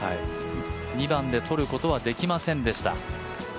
２番で取ることはできませんでした。